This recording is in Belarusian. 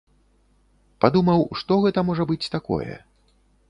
Падумаў, што гэта можа быць такое?